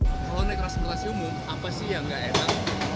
kalau naik kelas sebelas umum apa sih yang tidak enak